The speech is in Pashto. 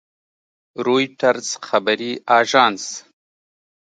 رویټرز خبري اژانس